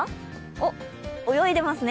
おっ、泳いでますね。